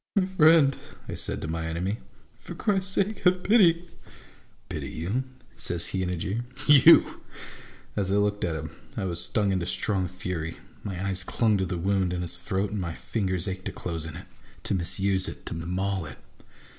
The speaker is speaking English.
" My friend," I said to my enemy, " for Christ's sake, have pity !"" Pity you ?" says he, in a jeer. " You !'" As I looked at him, I was stung into strong fury. My eyes clung to the wound in his throat, and my fingers ached to close in it — to misuse it, to maul it.